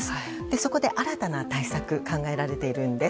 そこで新たな対策が考えられているんです。